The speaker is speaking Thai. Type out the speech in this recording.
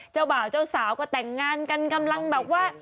เจ้าบ่าวเจ้าสาวก็แต่งงานกันกำลังแบบว่า